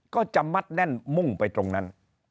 ก็จะมัดแน่นมุ่งไปตรงนั้น